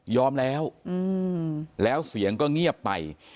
แล้วแล้วเสียงก็เงียบไป